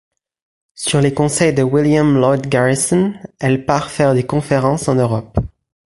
Sur les conseils de William Lloyd Garrison, elle part faire des conférences en Europe.